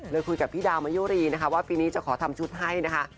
คุยกับพี่ดาวมายุรีนะคะว่าปีนี้จะขอทำชุดให้นะคะ